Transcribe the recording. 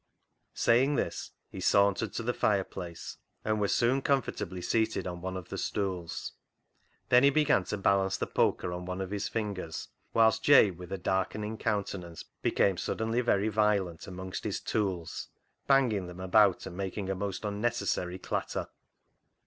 Saying this he sauntered to the fireplace, and was soon comfortably seated on one of the stools. Then he began to balance the poker on one of his fingers, whilst Jabe, with a darkening countenance, became suddenly 68 CLOG SHOP CHRONICLES very violent amongst his tools, banging them about and making a most unnecessary clatter.